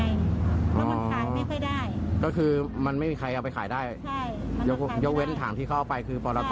เพราะมันขายไม่ค่อยได้ก็คือมันไม่มีใครเอาไปขายได้ใช่ยกเว้นถังที่เขาเอาไปคือปรท